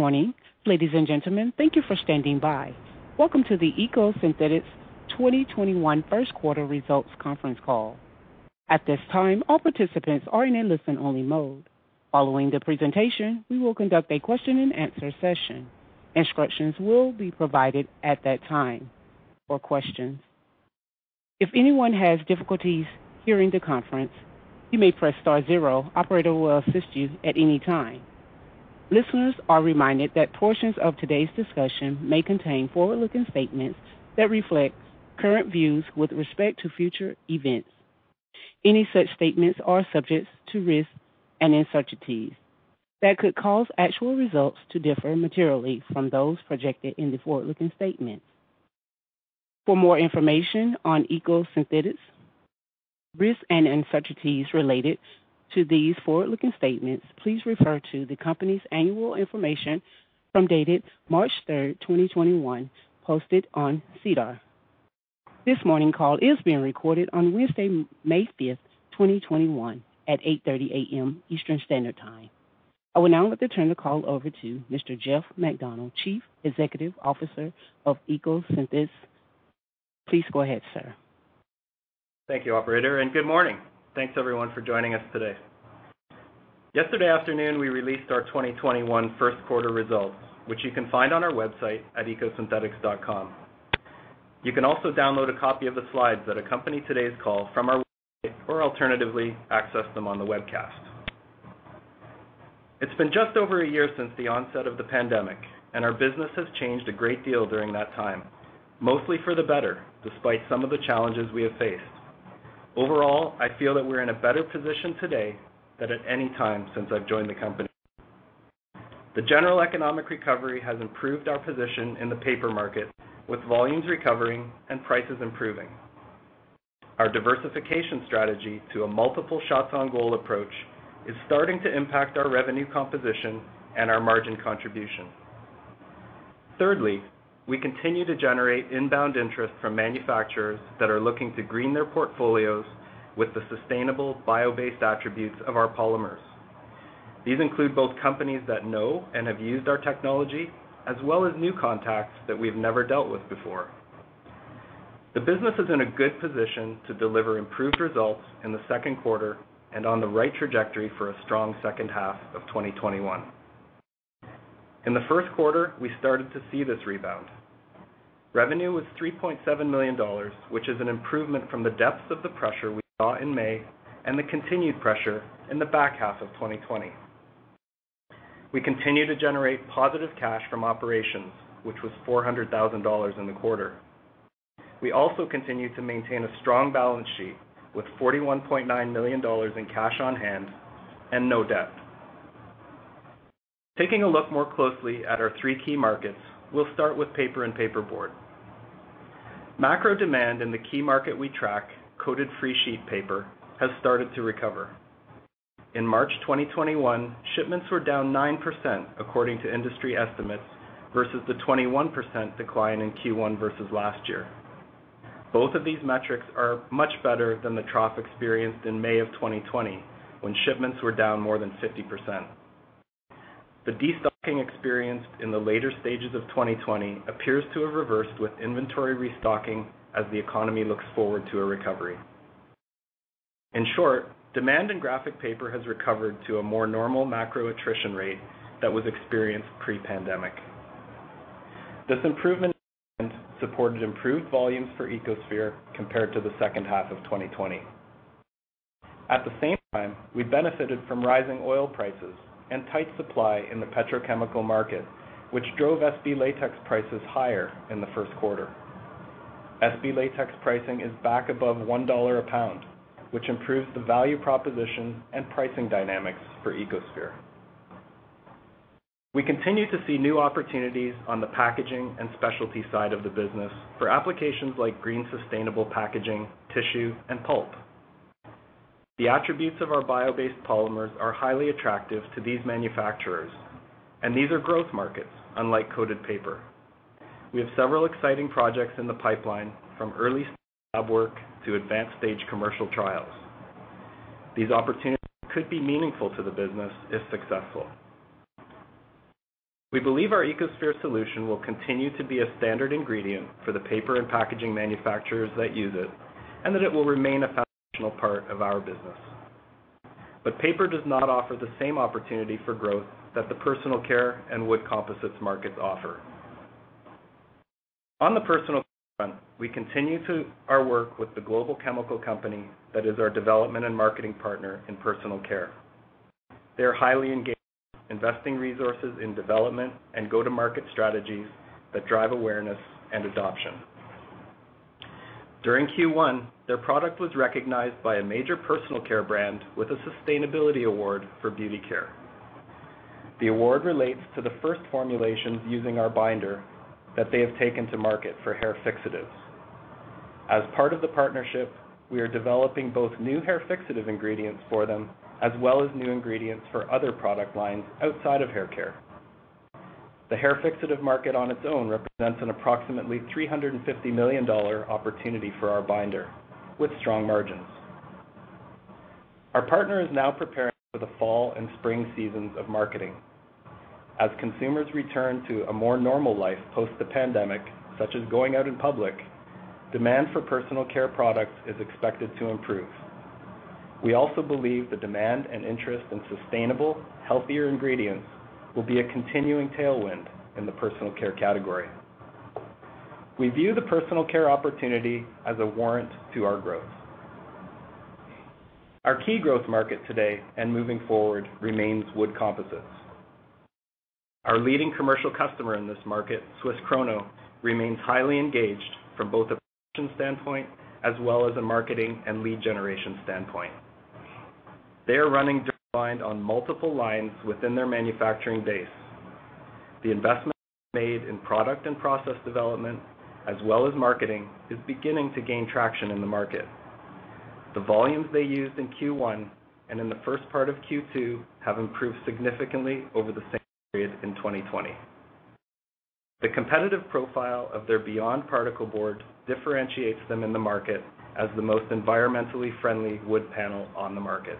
Good morning, ladies and gentlemen. Thank you for standing by. Welcome to the EcoSynthetix 2021 first quarter results conference call. At this time, all participants are in a listen-only mode. Following the presentation, we will conduct a question and answer session. Instructions will be provided at that time for questions. If anyone has difficulties hearing the conference, you may press star zero. Operator will assist you at any time. Listeners are reminded that portions of today's discussion may contain forward-looking statements that reflect current views with respect to future events. Any such statements are subject to risks and uncertainties that could cause actual results to differ materially from those projected in the forward-looking statements. For more information on EcoSynthetix risks and uncertainties related to these forward-looking statements, please refer to the company's annual information form dated March 3rd 2021, posted on SEDAR. This morning call is being recorded on Wednesday, May 5th 2021, at 8:30 A.M. Eastern Standard Time. I will now like to turn the call over to Mr. Jeff MacDonald, Chief Executive Officer of EcoSynthetix. Please go ahead, sir. Thank you, operator. Good morning. Thanks, everyone, for joining us today. Yesterday afternoon, we released our 2021 first quarter results, which you can find on our website at ecosynthetix.com. You can also download a copy of the slides that accompany today's call from our website, or alternatively, access them on the webcast. It's been just over a year since the onset of the pandemic. Our business has changed a great deal during that time, mostly for the better, despite some of the challenges we have faced. Overall, I feel that we're in a better position today than at any time since I've joined the company. The general economic recovery has improved our position in the paper market, with volumes recovering and prices improving. Our diversification strategy to a multiple shots on goal approach is starting to impact our revenue composition and our margin contribution. Thirdly, we continue to generate inbound interest from manufacturers that are looking to green their portfolios with the sustainable bio-based attributes of our polymers. These include both companies that know and have used our technology, as well as new contacts that we've never dealt with before. The business is in a good position to deliver improved results in the second quarter and on the right trajectory for a strong second half of 2021. In the first quarter, we started to see this rebound. Revenue was 3.7 million dollars, which is an improvement from the depths of the pressure we saw in May and the continued pressure in the back half of 2020. We continue to generate positive cash from operations, which was 400,000 dollars in the quarter. We also continue to maintain a strong balance sheet with 41.9 million dollars in cash on hand and no debt. Taking a look more closely at our three key markets, we'll start with paper and paperboard. Macro demand in the key market we track, coated freesheet paper, has started to recover. In March 2021, shipments were down 9%, according to industry estimates, versus the 21% decline in Q1 versus last year. Both of these metrics are much better than the trough experienced in May of 2020, when shipments were down more than 50%. The destocking experienced in the later stages of 2020 appears to have reversed with inventory restocking as the economy looks forward to a recovery. In short, demand in graphic paper has recovered to a more normal macro attrition rate that was experienced pre-pandemic. This improvement in demand supported improved volumes for EcoSphere compared to the second half of 2020. At the same time, we benefited from rising oil prices and tight supply in the petrochemical market, which drove SB latex prices higher in the first quarter. SB latex pricing is back above 1 dollar a pound, which improves the value proposition and pricing dynamics for EcoSphere. We continue to see new opportunities on the packaging and specialty side of the business for applications like green sustainable packaging, tissue, and pulp. The attributes of our bio-based polymers are highly attractive to these manufacturers, and these are growth markets, unlike coated paper. We have several exciting projects in the pipeline, from early stage lab work to advanced stage commercial trials. These opportunities could be meaningful to the business if successful. We believe our EcoSphere solution will continue to be a standard ingredient for the paper and packaging manufacturers that use it and that it will remain a foundational part of our business. Paper does not offer the same opportunity for growth that the Personal Care and wood composites markets offer. On the Personal Care front, we continue our work with the global chemical company that is our development and marketing partner in Personal Care. They're highly engaged, investing resources in development and go-to-market strategies that drive awareness and adoption. During Q1, their product was recognized by a major Personal Care brand with a Sustainability Award for beauty care. The award relates to the first formulations using our binder that they have taken to market for hair fixatives. As part of the partnership, we are developing both new hair fixative ingredients for them as well as new ingredients for other product lines outside of hair care. The hair fixative market on its own represents an approximately 350 million dollar opportunity for our binder with strong margins. Our partner is now preparing for the fall and spring seasons of marketing. As consumers return to a more normal life post the pandemic, such as going out in public, demand for personal care products is expected to improve. We also believe the demand and interest in sustainable, healthier ingredients will be a continuing tailwind in the personal care category. We view the personal care opportunity as a warrant to our growth. Our key growth market today and moving forward remains wood composites. Our leading commercial customer in this market, Swiss Krono, remains highly engaged from both a production standpoint as well as a marketing and lead generation standpoint. They are running DuraBind on multiple lines within their manufacturing base. The investments they've made in product and process development, as well as marketing, is beginning to gain traction in the market. The volumes they used in Q1 and in the first part of Q2 have improved significantly over the same period in 2020. The competitive profile of their BE.YOND particleboard differentiates them in the market as the most environmentally friendly wood panel on the market.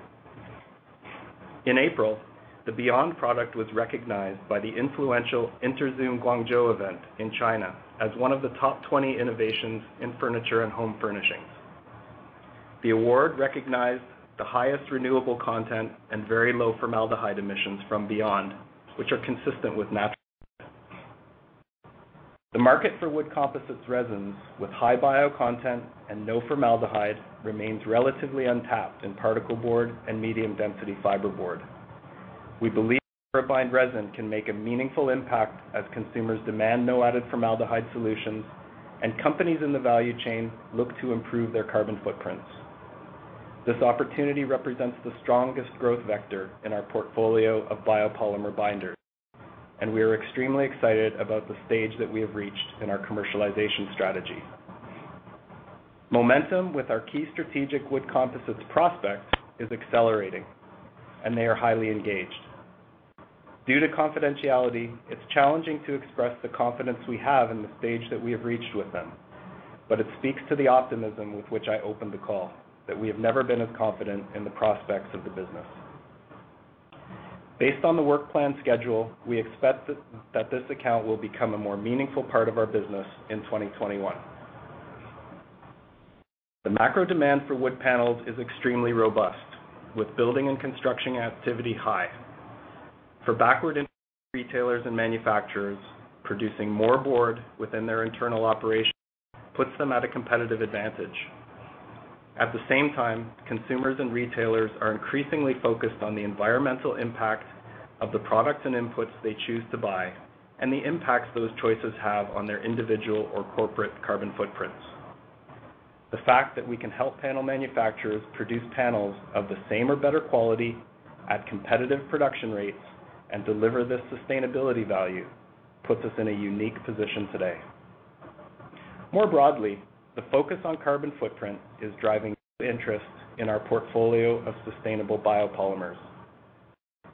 In April, the BE.YOND product was recognized by the influential interzum guangzhou event in China as one of the top 20 innovations in furniture and home furnishings. The award recognized the highest renewable content and very low formaldehyde emissions from BE.YOND, which are consistent with natural wood. The market for wood composites resins with high bio content and no formaldehyde remains relatively untapped in particleboard and medium-density fiberboard. We believe the DuraBind resin can make a meaningful impact as consumers demand no added formaldehyde solutions and companies in the value chain look to improve their carbon footprints. This opportunity represents the strongest growth vector in our portfolio of biopolymer binders, and we are extremely excited about the stage that we have reached in our commercialization strategy. Momentum with our key strategic wood composites prospects is accelerating, and they are highly engaged. Due to confidentiality, it is challenging to express the confidence we have in the stage that we have reached with them, but it speaks to the optimism with which I opened the call, that we have never been as confident in the prospects of the business. Based on the work plan schedule, we expect that this account will become a more meaningful part of our business in 2021. The macro demand for wood panels is extremely robust, with building and construction activity high. For backward integrated retailers and manufacturers, producing more board within their internal operations puts them at a competitive advantage. At the same time, consumers and retailers are increasingly focused on the environmental impact of the products and inputs they choose to buy and the impacts those choices have on their individual or corporate carbon footprints. The fact that we can help panel manufacturers produce panels of the same or better quality at competitive production rates and deliver this sustainability value puts us in a unique position today. More broadly, the focus on carbon footprint is driving real interest in our portfolio of sustainable biopolymers.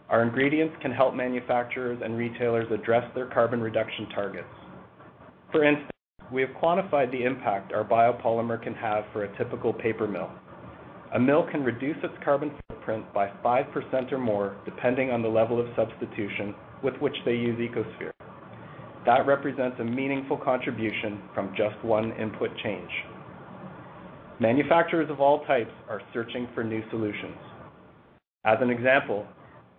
Our ingredients can help manufacturers and retailers address their carbon reduction targets. For instance, we have quantified the impact our biopolymer can have for a typical paper mill. A mill can reduce its carbon footprint by 5% or more depending on the level of substitution with which they use EcoSphere. That represents a meaningful contribution from just one input change. Manufacturers of all types are searching for new solutions. As an example,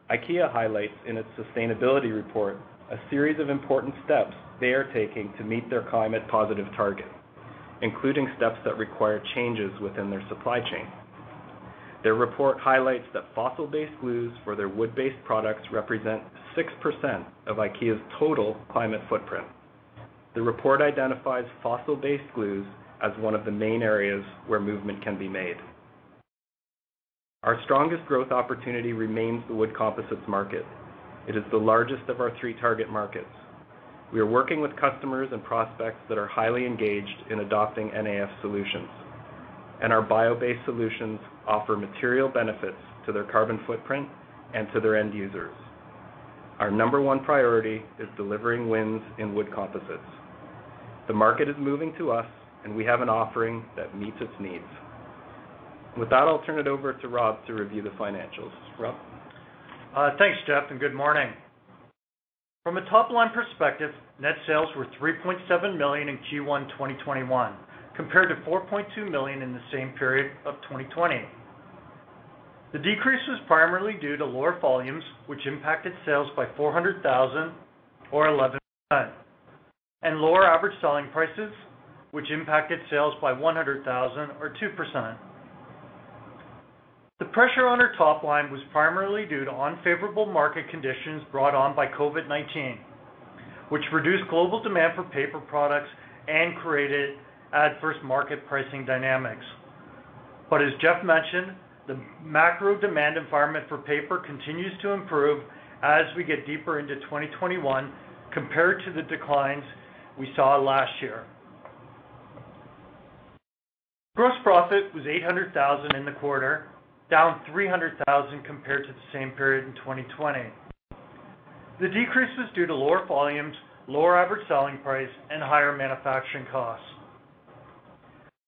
IKEA highlights in its sustainability report a series of important steps they are taking to meet their climate positive target, including steps that require changes within their supply chain. Their report highlights that fossil-based glues for their wood-based products represent 6% of IKEA's total climate footprint. The report identifies fossil-based glues as one of the main areas where movement can be made. Our strongest growth opportunity remains the wood composites market. It is the largest of our three target markets. We are working with customers and prospects that are highly engaged in adopting NAF solutions. Our bio-based solutions offer material benefits to their carbon footprint and to their end users. Our number one priority is delivering wins in wood composites. The market is moving to us, and we have an offering that meets its needs. With that, I'll turn it over to Rob to review the financials. Rob? Thanks, Jeff. Good morning. From a top-line perspective, net sales were 3.7 million in Q1 2021, compared to 4.2 million in the same period of 2020. The decrease was primarily due to lower volumes, which impacted sales by 400,000 or 11%, and lower average selling prices, which impacted sales by 100,000 or 2%. The pressure on our top line was primarily due to unfavorable market conditions brought on by COVID-19, which reduced global demand for paper products and created adverse market pricing dynamics. As Jeff mentioned, the macro demand environment for paper continues to improve as we get deeper into 2021 compared to the declines we saw last year. Gross profit was 800,000 in the quarter, down 300,000 compared to the same period in 2020. The decrease is due to lower volumes, lower average selling price, and higher manufacturing costs.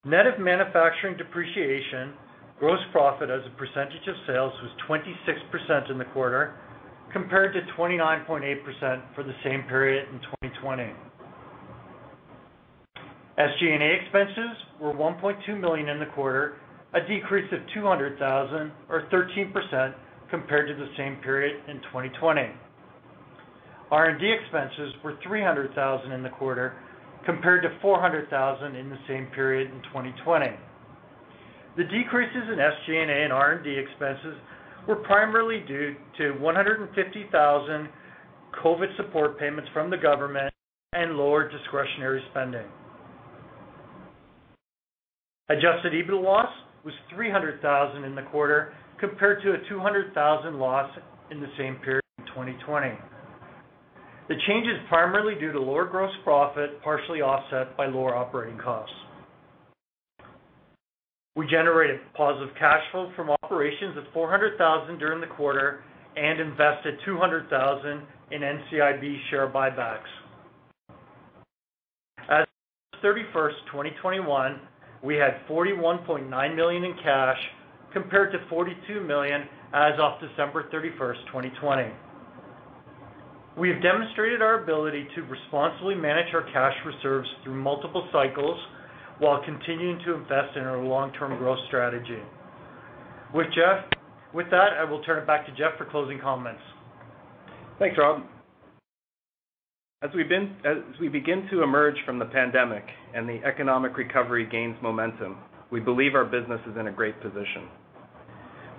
Net of manufacturing depreciation, gross profit as a percentage of sales was 26% in the quarter, compared to 29.8% for the same period in 2020. SG&A expenses were 1.2 million in the quarter, a decrease of 200,000 or 13% compared to the same period in 2020. R&D expenses were 300,000 in the quarter, compared to 400,000 in the same period in 2020. The decreases in SG&A and R&D expenses were primarily due to 150,000 COVID support payments from the government and lower discretionary spending. Adjusted EBIT loss was 300,000 in the quarter compared to a 200,000 loss in the same period in 2020. The change is primarily due to lower gross profit, partially offset by lower operating costs. We generated positive cash flow from operations of 400,000 during the quarter and invested 200,000 in NCIB share buybacks. As of March 31st, 2021, we had 41.9 million in cash compared to 42 million as of December 31st, 2020. We have demonstrated our ability to responsibly manage our cash reserves through multiple cycles while continuing to invest in our long-term growth strategy. With that, I will turn it back to Jeff for closing comments. Thanks, Rob. As we begin to emerge from the pandemic and the economic recovery gains momentum, we believe our business is in a great position.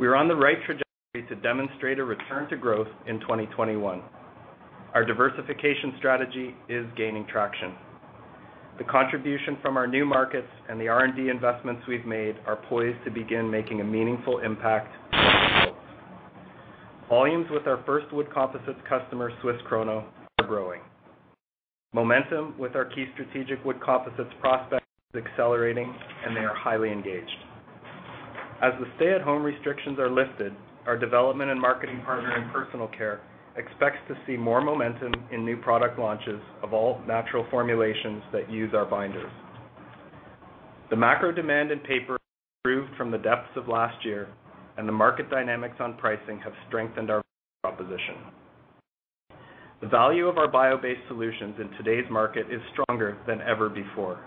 We are on the right trajectory to demonstrate a return to growth in 2021. Our diversification strategy is gaining traction. The contribution from our new markets and the R&D investments we've made are poised to begin making a meaningful impact on our results. Volumes with our first wood composites customer, Swiss Krono, are growing. Momentum with our key strategic wood composites prospects is accelerating, and they are highly engaged. As the stay-at-home restrictions are lifted, our development and marketing partner in personal care expects to see more momentum in new product launches of all-natural formulations that use our binders. The macro demand in paper has improved from the depths of last year, and the market dynamics on pricing have strengthened our value proposition. The value of our bio-based solutions in today's market is stronger than ever before.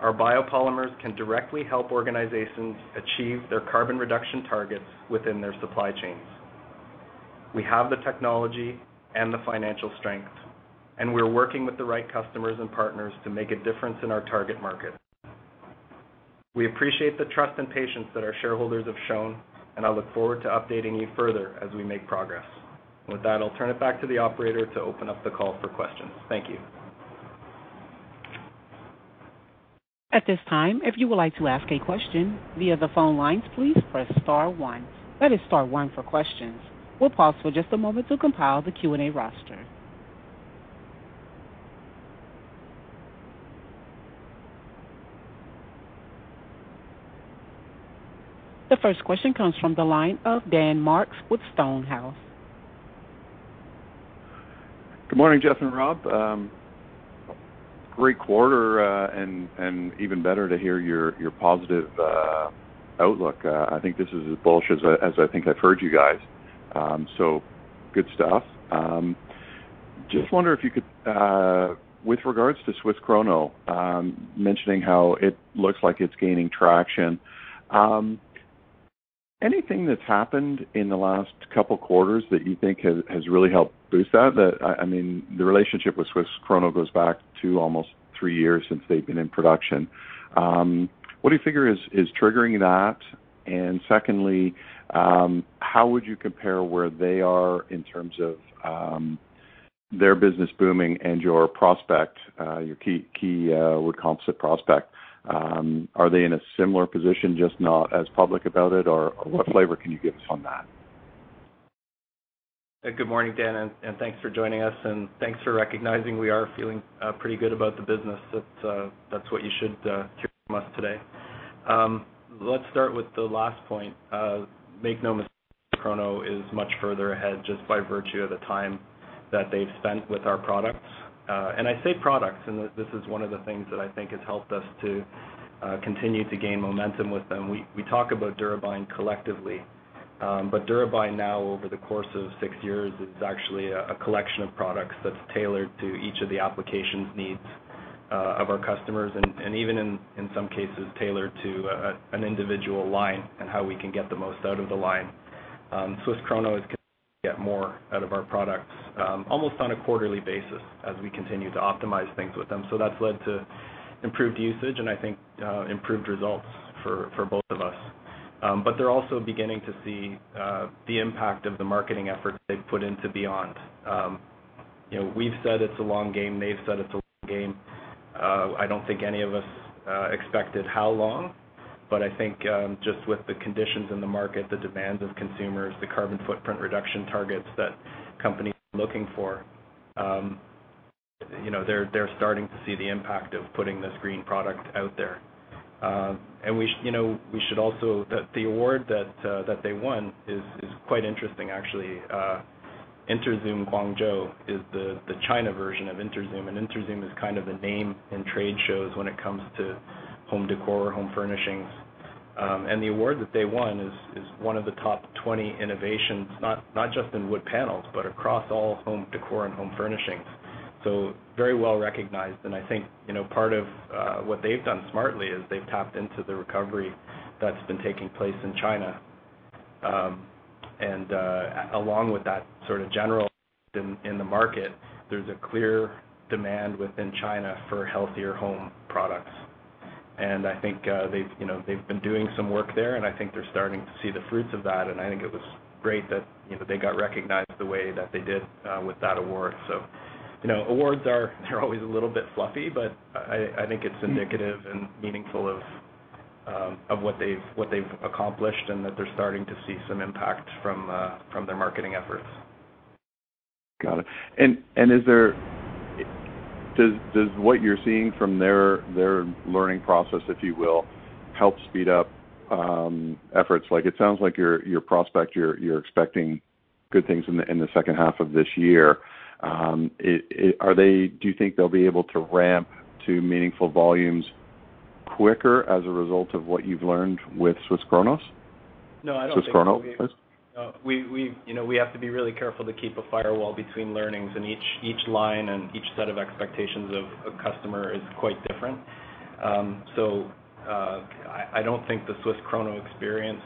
Our biopolymers can directly help organizations achieve their carbon reduction targets within their supply chains. We have the technology and the financial strength, and we're working with the right customers and partners to make a difference in our target market. We appreciate the trust and patience that our shareholders have shown, and I look forward to updating you further as we make progress. With that, I'll turn it back to the operator to open up the call for questions. Thank you. At this time, if you would like to ask a question via the phone lines, please press star one. That is star one for questions. We will pause for just a moment to compile the Q&A roster. The first question comes from the line of Dan Marks with Stonehouse. Good morning, Jeff and Rob. Great quarter, and even better to hear your positive outlook. I think this is as bullish as I think I've heard you guys. Good stuff. Just wonder if you could, with regards to Swiss Krono, mentioning how it looks like it's gaining traction, anything that's happened in the last couple quarters that you think has really helped boost that? The relationship with Swiss Krono goes back to almost three years since they've been in production. What do you figure is triggering that? Secondly, how would you compare where they are in terms of their business booming and your key wood composite prospect? Are they in a similar position, just not as public about it, or what flavor can you give us on that? Good morning, Dan, thanks for joining us, thanks for recognizing we are feeling pretty good about the business. That's what you should hear from us today. Let's start with the last point. Make no mistake, Krono is much further ahead just by virtue of the time that they've spent with our products. I say products, this is one of the things that I think has helped us to continue to gain momentum with them. We talk about DuraBind collectively, DuraBind now, over the course of six years, is actually a collection of products that's tailored to each of the applications needs of our customers, even in some cases, tailored to an individual line and how we can get the most out of the line. Swiss Krono is continuing to get more out of our products almost on a quarterly basis as we continue to optimize things with them. That's led to improved usage and I think improved results for both of us. They're also beginning to see the impact of the marketing efforts they've put into BE.YOND. We've said it's a long game. They've said it's a long game. I don't think any of us expected how long, but I think just with the conditions in the market, the demands of consumers, the carbon footprint reduction targets that companies are looking for. They're starting to see the impact of putting this green product out there. The award that they won is quite interesting, actually. interzum guangzhou is the China version of interzum, and interzum is kind of the name in trade shows when it comes to home decor, home furnishings. The award that they won is one of the top 20 innovations, not just in wood panels, but across all home decor and home furnishings. Very well-recognized, and I think part of what they've done smartly is they've tapped into the recovery that's been taking place in China. Along with that sort of general in the market, there's a clear demand within China for healthier home products. I think they've been doing some work there, and I think they're starting to see the fruits of that, and I think it was great that they got recognized the way that they did with that award. Awards are always a little bit fluffy, but I think it's indicative and meaningful of what they've accomplished and that they're starting to see some impact from their marketing efforts. Got it. Does what you're seeing from their learning process, if you will, help speed up efforts? It sounds like your prospect, you're expecting good things in the second half of this year. Do you think they'll be able to ramp to meaningful volumes quicker as a result of what you've learned with Swiss Krono? No, I don't think so. Swiss Krono, please. We have to be really careful to keep a firewall between learnings, and each line and each set of expectations of a customer is quite different. I don't think the SWISS KRONO experience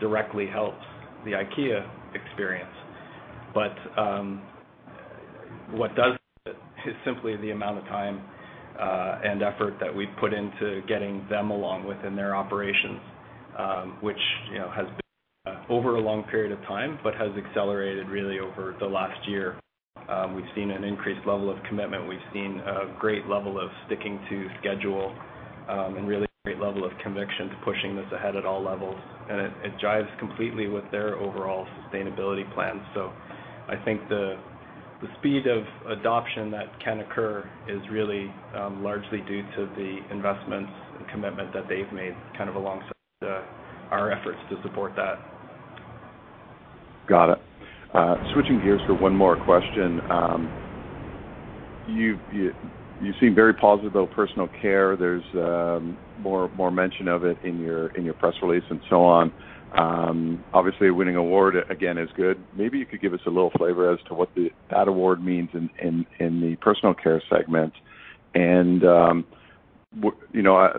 directly helps the IKEA experience. What does help is simply the amount of time and effort that we've put into getting them along within their operations, which has been over a long period of time, but has accelerated really over the last year. We've seen an increased level of commitment. We've seen a great level of sticking to schedule, and really a great level of conviction to pushing this ahead at all levels. It jives completely with their overall sustainability plan. I think the speed of adoption that can occur is really largely due to the investments and commitment that they've made alongside our efforts to support that. Got it. Switching gears for one more question. You seem very positive about Personal Care. There's more mention of it in your press release and so on. Obviously, winning award again is good. Maybe you could give us a little flavor as to what that award means in the Personal Care segment.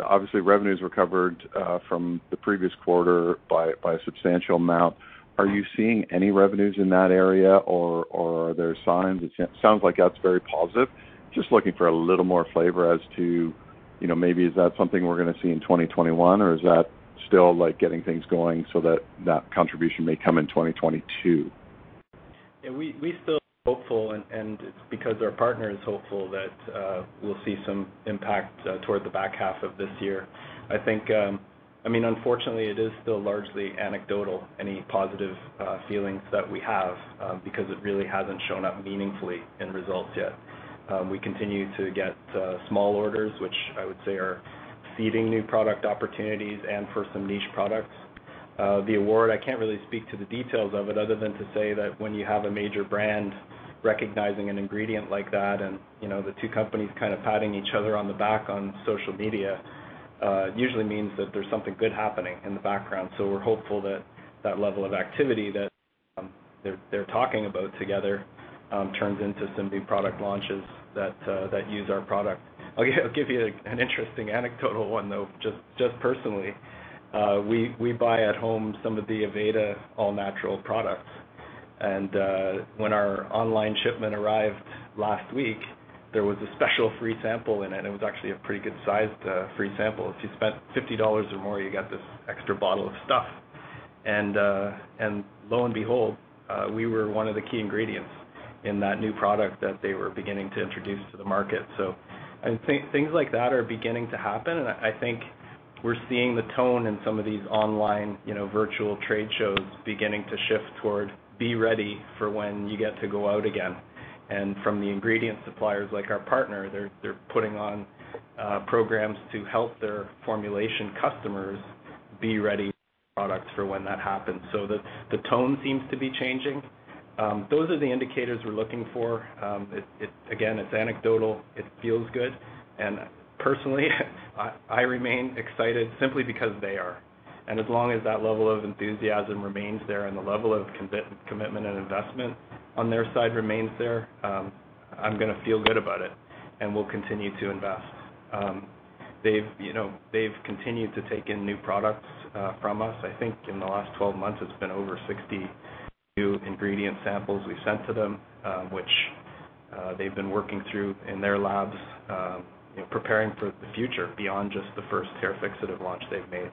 Obviously revenues recovered from the previous quarter by a substantial amount. Are you seeing any revenues in that area or are there signs? It sounds like that's very positive. Just looking for a little more flavor as to maybe is that something we're going to see in 2021, or is that still getting things going so that that contribution may come in 2022? We're still hopeful, it's because our partner is hopeful that we'll see some impact toward the back half of this year. Unfortunately, it is still largely anecdotal, any positive feelings that we have, because it really hasn't shown up meaningfully in results yet. We continue to get small orders, which I would say are seeding new product opportunities and for some niche products. The award, I can't really speak to the details of it other than to say that when you have a major brand recognizing an ingredient like that and the two companies kind of patting each other on the back on social media, it usually means that there's something good happening in the background. We're hopeful that that level of activity that they're talking about together turns into some new product launches that use our product. I'll give you an interesting anecdotal one, though, just personally. We buy at home some of the Aveda all-natural products. When our online shipment arrived last week, there was a special free sample in it. It was actually a pretty good sized free sample. If you spent 50 dollars or more, you got this extra bottle of stuff. Lo and behold, we were one of the key ingredients in that new product that they were beginning to introduce to the market. Things like that are beginning to happen, and I think we're seeing the tone in some of these online virtual trade shows beginning to shift toward be ready for when you get to go out again. From the ingredient suppliers like our partner, they're putting on programs to help their formulation customers be ready products for when that happens. The tone seems to be changing. Those are the indicators we're looking for. Again, it's anecdotal. It feels good. Personally, I remain excited simply because they are. As long as that level of enthusiasm remains there and the level of commitment and investment on their side remains there, I'm gonna feel good about it, and we'll continue to invest. They've continued to take in new products from us. I think in the last 12 months, it's been over 60 new ingredient samples we've sent to them, which they've been working through in their labs preparing for the future beyond just the first hair fixative launch they've made.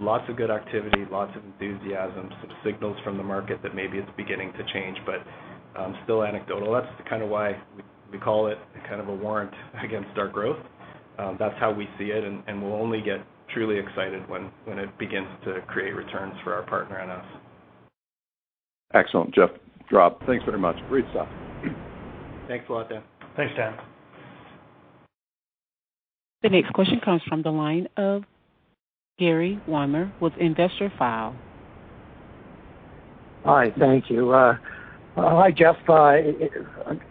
Lots of good activity, lots of enthusiasm, some signals from the market that maybe it's beginning to change, but still anecdotal. That's kind of why we call it a kind of a warrant against our growth. That's how we see it, and we'll only get truly excited when it begins to create returns for our partner and us. Excellent, Jeff, Rob, thanks very much. Great stuff. Thanks a lot, Dan. Thanks, Dan. The next question comes from the line of Gerry Wimmer with Investorfile. Hi, thank you. Hi, Jeff. I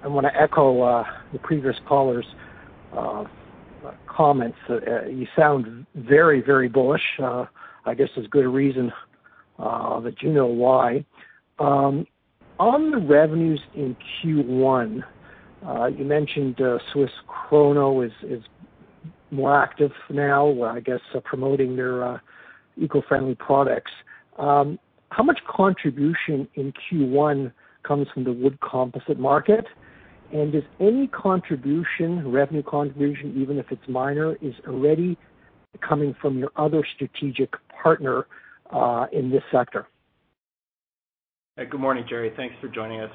want to echo the previous caller's comments. You sound very bullish. I guess there's good reason that you know why. On the revenues in Q1, you mentioned SWISS KRONO is more active now, I guess, promoting their eco-friendly products. How much contribution in Q1 comes from the wood composite market? Is any revenue contribution, even if it's minor, is already coming from your other strategic partner in this sector? Good morning, Gerry. Thanks for joining us.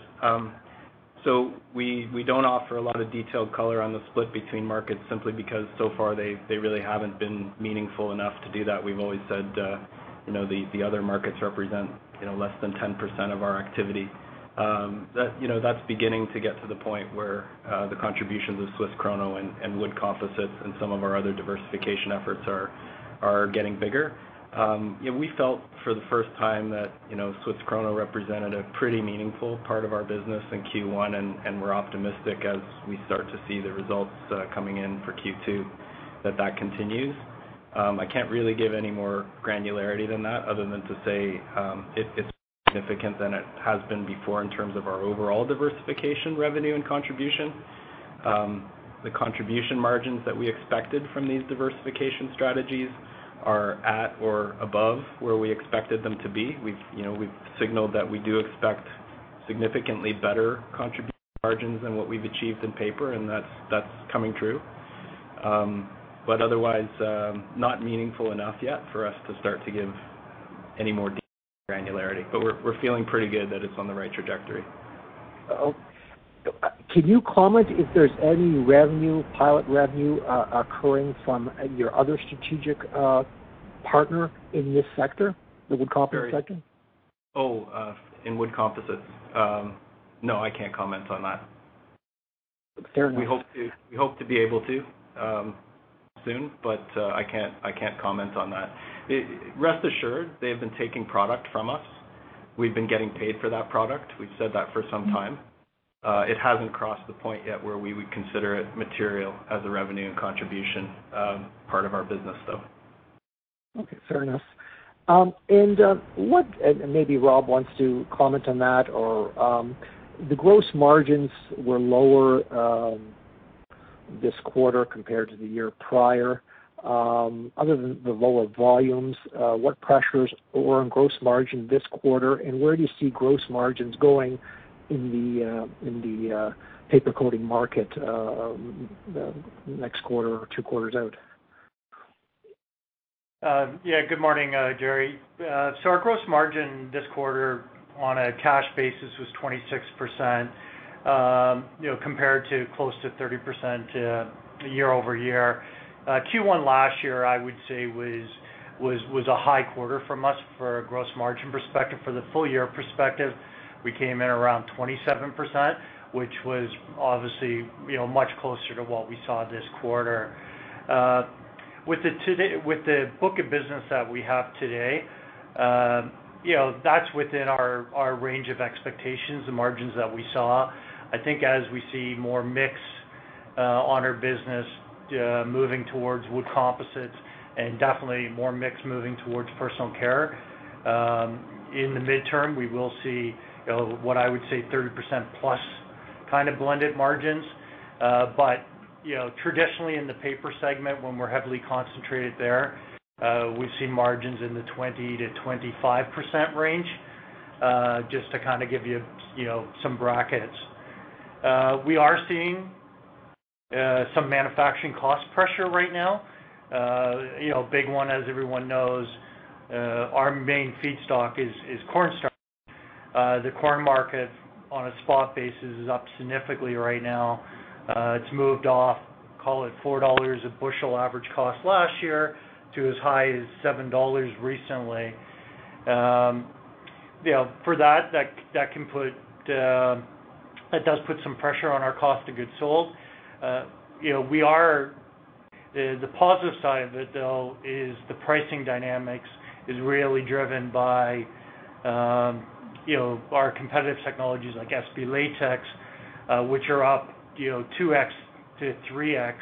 We don't offer a lot of detailed color on the split between markets simply because so far they really haven't been meaningful enough to do that. We've always said the other markets represent less than 10% of our activity. That's beginning to get to the point where the contributions of Swiss Krono and wood composites and some of our other diversification efforts are getting bigger. We felt for the first time that Swiss Krono represented a pretty meaningful part of our business in Q1, and we're optimistic as we start to see the results coming in for Q2 that that continues. I can't really give any more granularity than that other than to say it's more significant than it has been before in terms of our overall diversification revenue and contribution. The contribution margins that we expected from these diversification strategies are at or above where we expected them to be. We've signaled that we do expect significantly better contribution margins than what we've achieved in paper. That's coming true. Otherwise, not meaningful enough yet for us to start to give any more detail or granularity. We're feeling pretty good that it's on the right trajectory. Can you comment if there's any pilot revenue occurring from your other strategic partner in this sector, the wood composite sector? Oh, in wood composites. No, I can't comment on that. Fair enough. We hope to be able to soon, but I can't comment on that. Rest assured, they have been taking product from us. We've been getting paid for that product. We've said that for some time. It hasn't crossed the point yet where we would consider it material as a revenue and contribution part of our business, though. Okay, fair enough. The gross margins were lower this quarter compared to the year prior. Other than the lower volumes, what pressures were on gross margin this quarter, and where do you see gross margins going in the paper coating market next quarter or two quarters out? Yeah. Good morning, Gerry. Our gross margin this quarter on a cash basis was 26%, compared to close to 30% year-over-year. Q1 last year, I would say was a high quarter from us for a gross margin perspective. For the full year perspective, we came in around 27%, which was obviously much closer to what we saw this quarter. With the book of business that we have today, that's within our range of expectations, the margins that we saw. I think as we see more mix on our business moving towards wood composites and definitely more mix moving towards personal care in the midterm, we will see what I would say 30%+ kind of blended margins. Traditionally in the paper segment, when we're heavily concentrated there, we've seen margins in the 20%-25% range, just to kind of give you some brackets. We are seeing some manufacturing cost pressure right now. Big one, as everyone knows our main feedstock is corn starch. The corn market on a spot basis is up significantly right now. It's moved off, call it 4 dollars a bushel average cost last year to as high as CAD 7 recently. That does put some pressure on our cost of goods sold. The positive side of it, though, is the pricing dynamics is really driven by our competitive technologies like SB latex, which are up 2x to 3x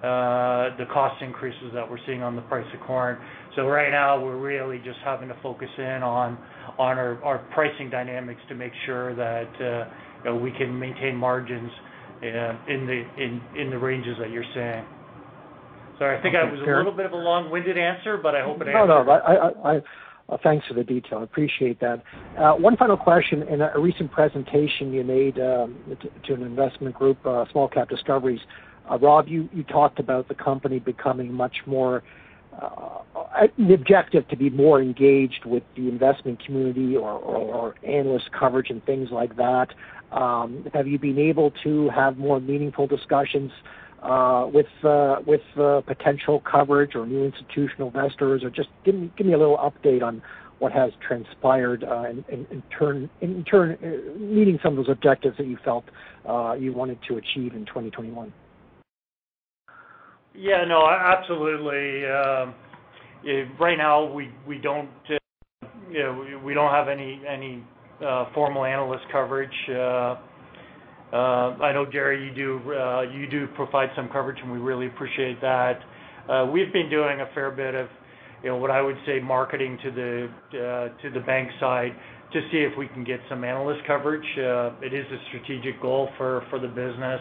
the cost increases that we're seeing on the price of corn. Right now, we're really just having to focus in on our pricing dynamics to make sure that we can maintain margins in the ranges that you're saying. Sorry, I think that was a little bit of a long-winded answer, I hope it answered. Thanks for the detail. I appreciate that. One final question. In a recent presentation you made to an investment group, SmallCap Discoveries, Rob, you talked about the company becoming much more the objective to be more engaged with the investment community or analyst coverage and things like that. Have you been able to have more meaningful discussions with potential coverage or new institutional investors? Just give me a little update on what has transpired in meeting some of those objectives that you felt you wanted to achieve in 2021. Yeah. No, absolutely. Right now, we don't have any formal analyst coverage. I know, Gerry, you do provide some coverage, and we really appreciate that. We've been doing a fair bit of what I would say marketing to the bank side to see if we can get some analyst coverage. It is a strategic goal for the business.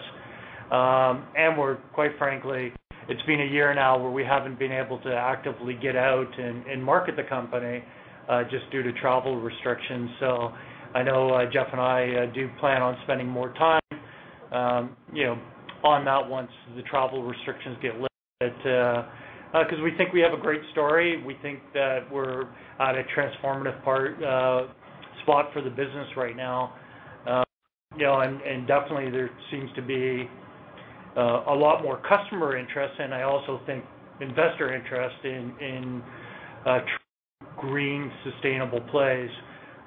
Quite frankly, it's been a year now where we haven't been able to actively get out and market the company just due to travel restrictions. I know Jeff and I do plan on spending more time on that once the travel restrictions get lifted. Because we think we have a great story. We think that we're at a transformative spot for the business right now. Definitely, there seems to be a lot more customer interest, and I also think investor interest in green, sustainable plays.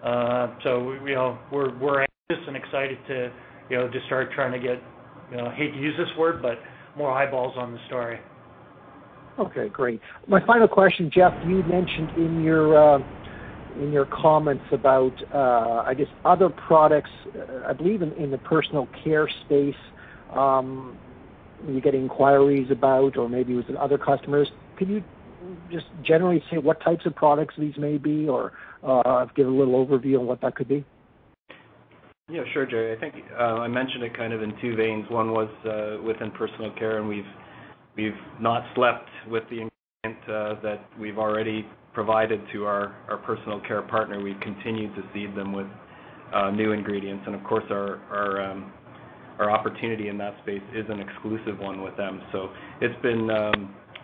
We're anxious and excited to start trying to get, I hate to use this word, but more eyeballs on the story. Okay, great. My final question, Jeff, you mentioned in your comments about, I guess, other products, I believe in the personal care space, you get inquiries about, or maybe it was in other customers. Could you just generally say what types of products these may be or give a little overview on what that could be? Yeah, sure, Gerry. I think I mentioned it kind of in two veins. One was within personal care, we've not stopped with that we've already provided to our personal care partner. We've continued to seed them with new ingredients. Of course, our opportunity in that space is an exclusive one with them.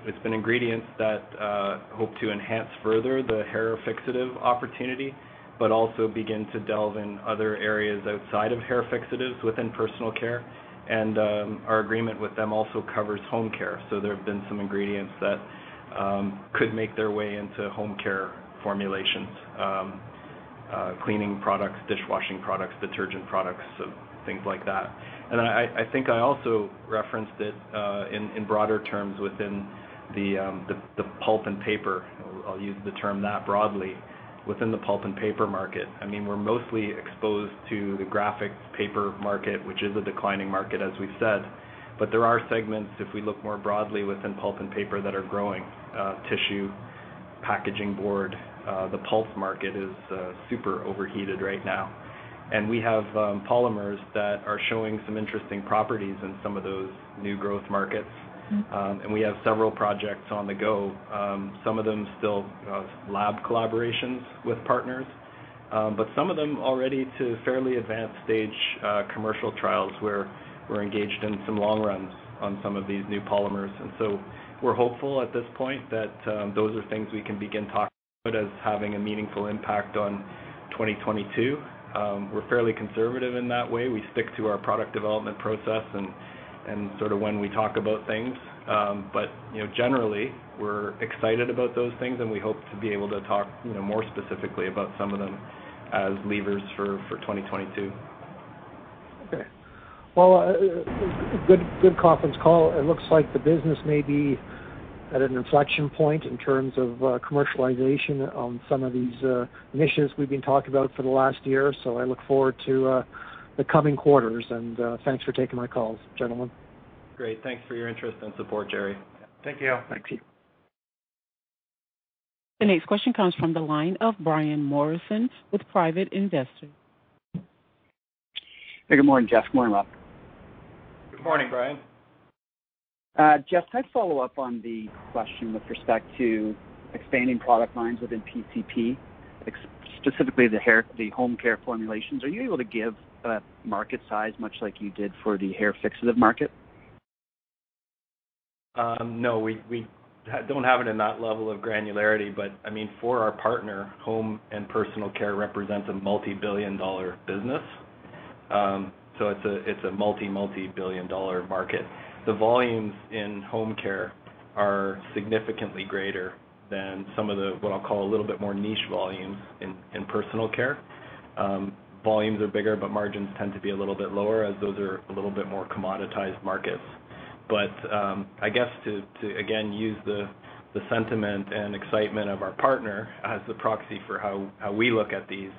It's been ingredients that hope to enhance further the hair fixative opportunity, but also begin to delve in other areas outside of hair fixatives within personal care. Our agreement with them also covers home care. There have been some ingredients that could make their way into home care formulations, cleaning products, dishwashing products, detergent products, so things like that. I think I also referenced it in broader terms within the pulp and paper, I'll use the term that broadly, within the pulp and paper market. We're mostly exposed to the graphics paper market, which is a declining market, as we've said. There are segments, if we look more broadly within pulp and paper, that are growing. Tissue, packaging board, the pulp market is super overheated right now. We have polymers that are showing some interesting properties in some of those new growth markets. We have several projects on the go. Some of them still lab collaborations with partners, but some of them already to fairly advanced stage commercial trials, where we're engaged in some long runs on some of these new polymers. We're hopeful at this point that those are things we can begin talking about as having a meaningful impact on 2022. We're fairly conservative in that way. We stick to our product development process and sort of when we talk about things. Generally, we're excited about those things, and we hope to be able to talk more specifically about some of them as levers for 2022. Okay. Well, good conference call. It looks like the business may be at an inflection point in terms of commercialization on some of these initiatives we've been talking about for the last year. I look forward to the coming quarters, and thanks for taking my calls, gentlemen. Great. Thanks for your interest and support, Gerry. Thank you. Thanks. The next question comes from the line of Brian Morrison with Private Investor. Hey, good morning, Jeff. Morning, Rob. Good morning, Brian. Jeff, can I follow up on the question with respect to expanding product lines within PCP, specifically the home care formulations. Are you able to give a market size, much like you did for the hair fixative market? We don't have it in that level of granularity, but for our partner, home and personal care represents a multibillion-dollar business. It's a multi-multibillion-dollar market. The volumes in home care are significantly greater than some of the, what I'll call a little bit more niche volumes in personal care. Volumes are bigger, but margins tend to be a little bit lower as those are a little bit more commoditized markets. I guess to, again, use the sentiment and excitement of our partner as the proxy for how we look at these,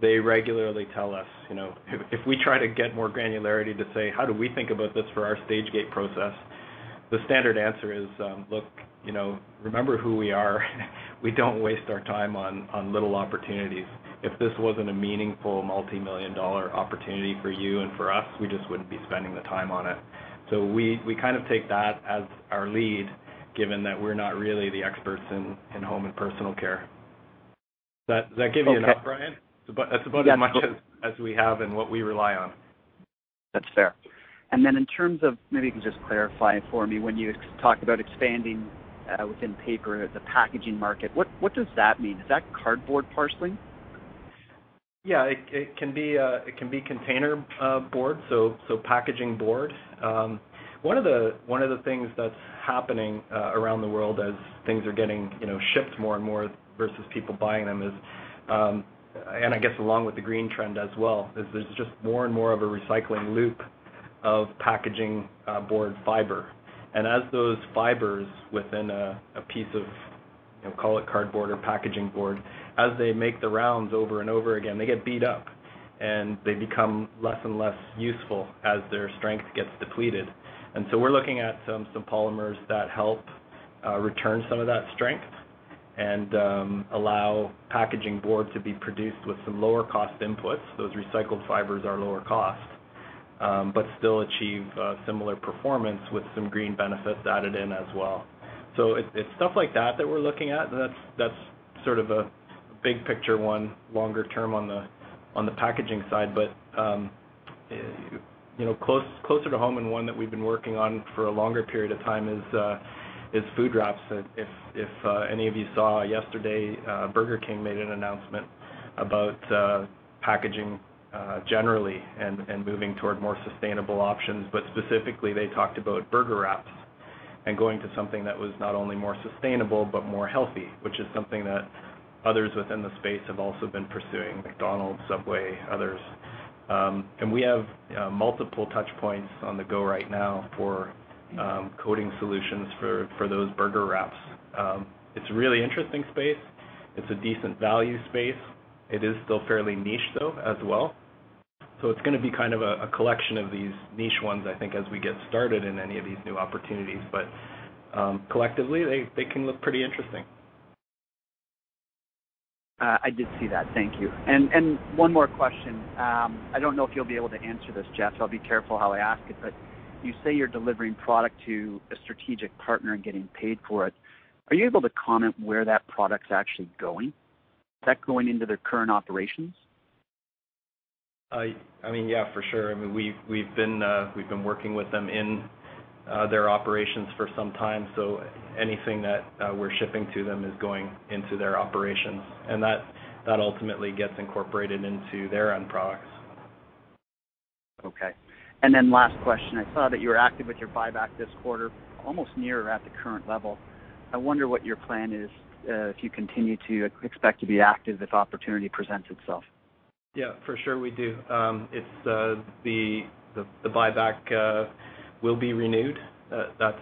they regularly tell us, if we try to get more granularity to say, "How do we think about this for our stage gate process?" The standard answer is, "Look, remember who we are. We don't waste our time on little opportunities. If this wasn't a meaningful multimillion-dollar opportunity for you and for us, we just wouldn't be spending the time on it. We kind of take that as our lead, given that we're not really the experts in home and personal care. Does that give you enough, Brian? Okay. That's about as much as we have and what we rely on. That's fair. In terms of, maybe you can just clarify for me, when you talk about expanding within paper, the packaging market, what does that mean? Is that cardboard partially? Yeah. It can be container board, so packaging board. One of the things that's happening around the world as things are getting shipped more and more versus people buying them is, and I guess along with the green trend as well, is there's just more and more of a recycling loop of packaging board fiber. As those fibers within a piece of, call it cardboard or packaging board, as they make the rounds over and over again, they get beat up and they become less and less useful as their strength gets depleted. We're looking at some polymers that help return some of that strength and allow packaging board to be produced with some lower cost inputs. Those recycled fibers are lower cost, but still achieve similar performance with some green benefits added in as well. It's stuff like that that we're looking at, and that's sort of a big picture one longer term on the packaging side. Closer to home and one that we've been working on for a longer period of time is food wraps. If any of you saw yesterday, Burger King made an announcement about packaging generally and moving toward more sustainable options. Specifically, they talked about burger wraps and going to something that was not only more sustainable but more healthy, which is something that others within the space have also been pursuing, McDonald's, Subway, others. We have multiple touch points on the go right now for coating solutions for those burger wraps. It's a really interesting space. It's a decent value space. It is still fairly niche, though, as well. It's going to be kind of a collection of these niche ones, I think, as we get started in any of these new opportunities. Collectively, they can look pretty interesting. I did see that. Thank you. One more question. I don't know if you'll be able to answer this, Jeff. I'll be careful how I ask it. You say you're delivering product to a strategic partner and getting paid for it. Are you able to comment where that product's actually going? Is that going into their current operations? I mean, yeah, for sure. I mean, we've been working with them in their operations for some time, so anything that we're shipping to them is going into their operations, and that ultimately gets incorporated into their end products. Okay. Last question. I saw that you were active with your buyback this quarter, almost near or at the current level. I wonder what your plan is if you continue to expect to be active if opportunity presents itself. Yeah, for sure we do. The buyback will be renewed. That's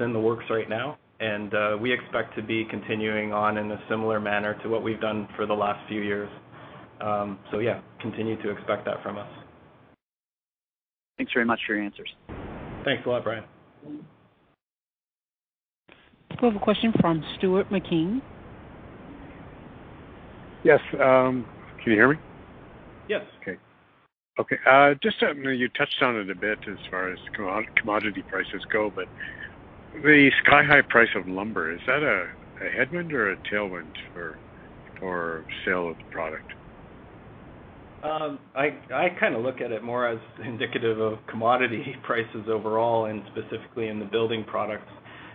in the works right now, and we expect to be continuing on in a similar manner to what we've done for the last few years. Yeah, continue to expect that from us. Thanks very much for your answers. Thanks a lot, Brian. We have a question from Stuart McKean. Yes. Can you hear me? Yes. Okay. Just you touched on it a bit as far as commodity prices go, the sky-high price of lumber, is that a headwind or a tailwind for sale of the product? I kind of look at it more as indicative of commodity prices overall, and specifically in the building products.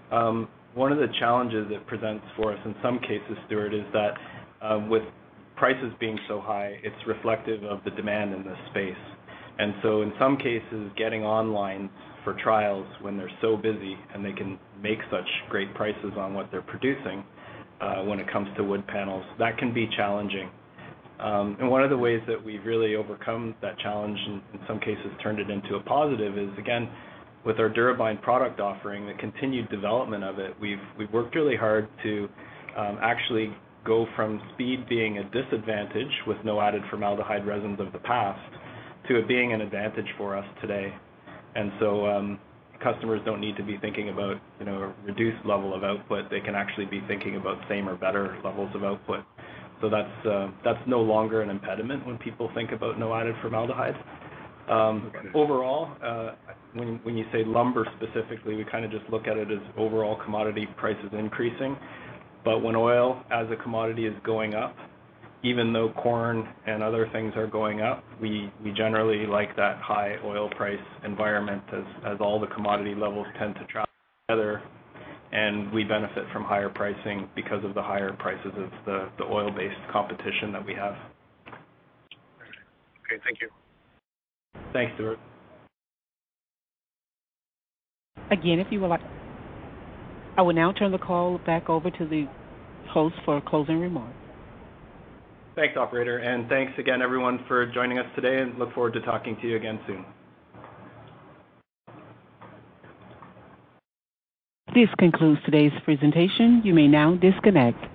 One of the challenges it presents for us in some cases, Stuart, is that with prices being so high, it's reflective of the demand in this space. In some cases, getting online for trials when they're so busy and they can make such great prices on what they're producing when it comes to wood panels, that can be challenging. One of the ways that we've really overcome that challenge and in some cases turned it into a positive is, again, with our DuraBind product offering, the continued development of it. We've worked really hard to actually go from speed being a disadvantage with no added formaldehyde resins of the past to it being an advantage for us today. Customers don't need to be thinking about a reduced level of output. They can actually be thinking about same or better levels of output. That's no longer an impediment when people think about no added formaldehyde. Okay. Overall, when you say lumber specifically, we kind of just look at it as overall commodity prices increasing. But when oil as a commodity is going up, even though corn and other things are going up, we generally like that high oil price environment as all the commodity levels tend to track together, and we benefit from higher pricing because of the higher prices of the oil-based competition that we have. Okay. Thank you. Thanks, Stuart. Again, if you would like I will now turn the call back over to the host for closing remarks. Thanks, operator, and thanks again, everyone, for joining us today, and look forward to talking to you again soon. This concludes today's presentation. You may now disconnect.